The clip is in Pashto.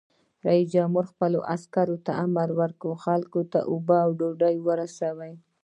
رئیس جمهور خپلو عسکرو ته امر وکړ؛ خلکو ته اوبه او ډوډۍ ورسوئ!